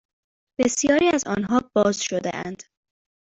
بسیاری از آنها باز شدهاند